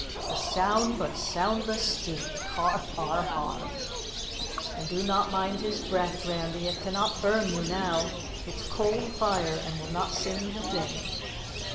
"A sound but soundless steed! Har, har, har! And do not mind his breath, Randy, it cannot burn you now; it's cold fire and will not singe a thing!"